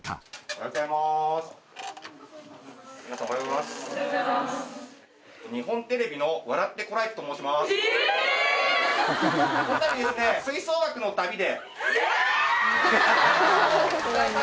おはようございます。